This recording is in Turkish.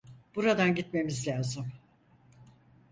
Buradan gitmemiz lazım.